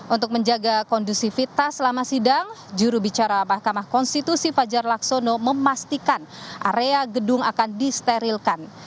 untuk menjaga kondusivitas selama sidang jurubicara mahkamah konstitusi fajar laksono memastikan area gedung akan disterilkan